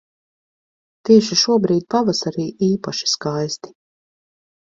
Tieši šobrīd pavasarī īpaši skaisti.